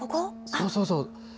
そうそうそう。